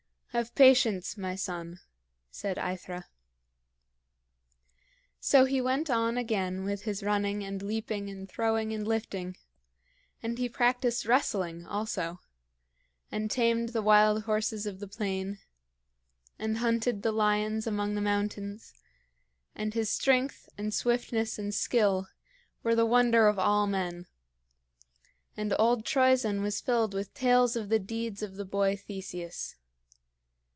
"Have patience, my son," said AEthra. So he went on again with his running and leaping and throwing and lifting; and he practiced wrestling, also, and tamed the wild horses of the plain, and hunted the lions among the mountains; and his strength and swiftness and skill were the wonder of all men, and old Troezen was filled with tales of the deeds of the boy Theseus.